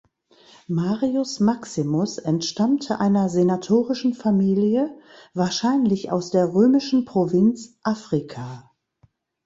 Marius Maximus entstammte einer senatorischen Familie, wahrscheinlich aus der römischen Provinz "Africa".